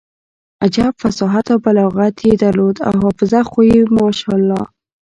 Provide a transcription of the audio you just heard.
عجب فصاحت او بلاغت يې درلود او حافظه خو يې نو ماشاالله.